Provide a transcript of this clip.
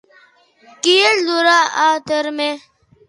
Qui el durà a terme?